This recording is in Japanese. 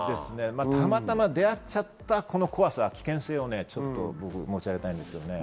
たまたま出会っちゃった怖さ、危険性を僕、申し上げたいんですけどね。